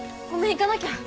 行かなきゃ。